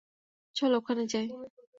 চল ওখানে যাই।